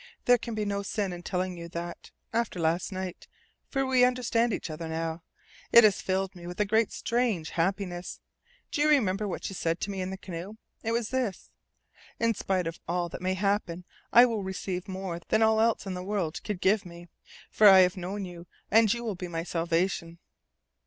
"There can be no sin in telling you that after last night. For we understand each other now. It has filled me with a strange happiness. Do you remember what you said to me in the canoe? It was this: 'In spite of all that may happen, I will receive more than all else in the world could give me. For I will have known you, and you will be my salvation.'